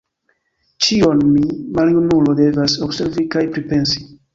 Ĉion mi, maljunulo, devas observi kaj pripensi!